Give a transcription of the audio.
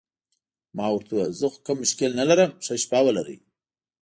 ما ورته وویل: زه خو کوم مشکل نه لرم، ښه شپه ولرئ.